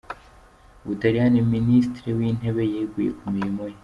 U Butaliyani Minisitiri w’Intebe yeguye ku mirimo ye